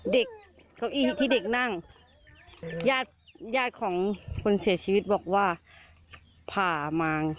เก้าอี้ที่เด็กนั่งญาติญาติของคนเสียชีวิตบอกว่าผ่ามา